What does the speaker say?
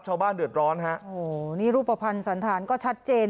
ชาวบ้านเดือดร้อนฮะโอ้โหนี่รูปภัณฑ์สันธารก็ชัดเจน